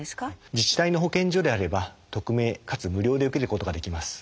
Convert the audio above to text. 自治体の保健所であれば匿名かつ無料で受けることができます。